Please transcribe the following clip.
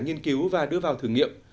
nghiên cứu và đưa vào thử nghiệm